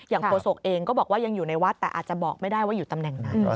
โฆษกเองก็บอกว่ายังอยู่ในวัดแต่อาจจะบอกไม่ได้ว่าอยู่ตำแหน่งไหน